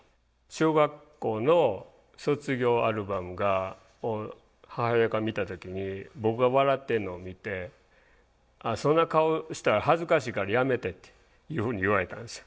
小学校の卒業アルバムを母親が見た時に僕が笑ってるのを見て「そんな顔したら恥ずかしいからやめて」っていうふうに言われたんですよ。